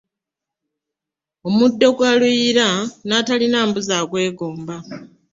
Muddo gwa luyiira natalina mbuzi agwegomba .